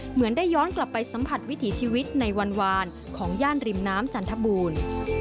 เหมือนได้ย้อนกลับไปสัมผัสวิถีชีวิตในวันวานของย่านริมน้ำจันทบูรณ์